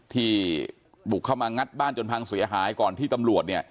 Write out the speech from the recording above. ที่บุกเข้ามางัดบ้านจนพังเสียหายก่อนที่ตำรวจเนี่ย